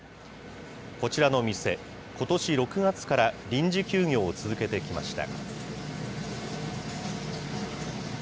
こちらの店、ことし６月から臨時休業を続けてきました。